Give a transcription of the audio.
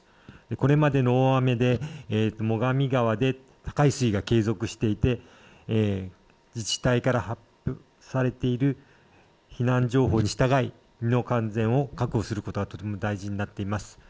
これまでの大雨で最上川で高い水位が継続していて自治体から発表されている避難情報に従い身の安全を確保することがとても大事になっています。